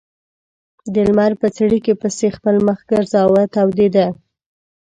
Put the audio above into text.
د لمر په څړیکې پسې خپل مخ ګرځاوه تودېده.